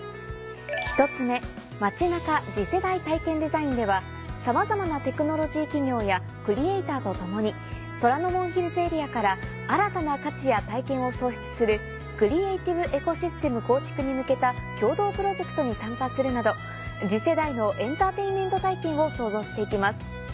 １つ目「街ナカ次世代体験デザイン」では様々なテクノロジー企業やクリエイターと共に虎ノ門ヒルズエリアから新たな価値や体験を送出するクリエイティブエコシステム構築に向けた共同プロジェクトに参加するなど次世代のエンターテインメント体験を創造していきます。